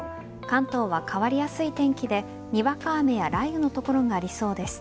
関東は変わりやすい天気でにわか雨や雷雨の所がありそうです。